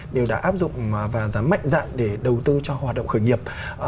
đều đã áp dụng và dám mạnh dạng để đầu tư cho hoạt động khởi nghiệp